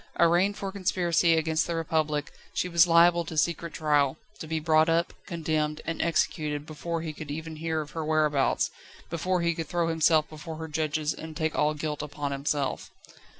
Arraigned for conspiracy against the Republic, she was liable to secret trial, to be brought up, condemned, and executed before he could even hear of her whereabouts, before he could throw himself before her judges and take all guilt upon himself.